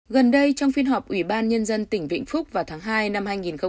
gần đây trong phiên họp ủy ban nhân dân tỉnh vĩnh phúc vào tháng hai năm hai nghìn hai mươi